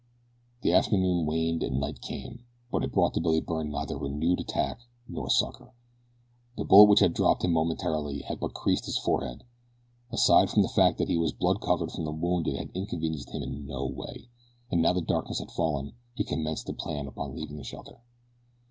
The afternoon waned and night came, but it brought to Billy Byrne neither renewed attack nor succor. The bullet which had dropped him momentarily had but creased his forehead. Aside from the fact that he was blood covered from the wound it had inconvenienced him in no way, and now that darkness had fallen he commenced to plan upon leaving the shelter.